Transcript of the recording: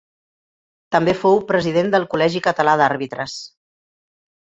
També fou president del Col·legi Català d'Àrbitres.